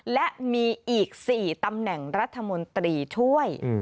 และมีอีก๔ตำแหน่งรัฐมนตรีช่วย